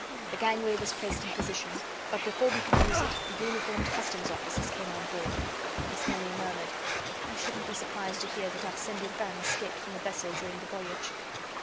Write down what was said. The gangway was placed in position, but, before we could use it, the uniformed customs officers came on board. Miss Nelly murmured: "I shouldn't be surprised to hear that Arsène Lupin escaped from the vessel during the voyage."